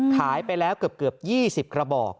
ขายไปแล้วเกือบ๒๐กระบอก